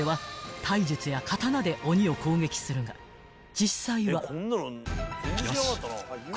［実際は］